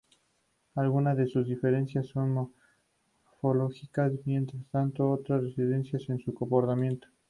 Algunas de sus diferencias son morfológicas, mientras tanto, otras residen en su comportamiento.